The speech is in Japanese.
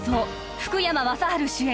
福山雅治主演